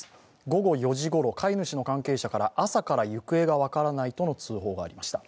午後４時ごろ、飼い主の関係者から朝から行方が分からないとの通報がありました。